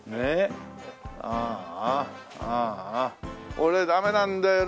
俺ダメなんだよね。